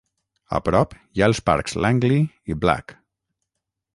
A prop hi ha els parcs Langley i Black.